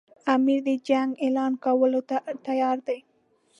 امیر د جنګ اعلان کولو ته تیار دی.